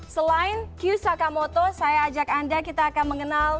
selain q sakamoto saya ajak anda kita akan mengenal